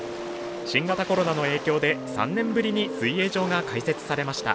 新型コロナの影響で３年ぶりに水泳場が開設されました。